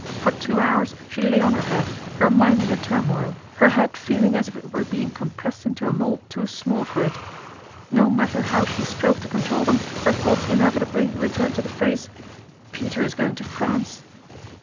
For two hours she lay on her bed, her mind in a turmoil, her head feeling as if it were being compressed into a mould too small for it. No matter how she strove to control them, her thoughts inevitably returned to the phrase, " Peter is going to France."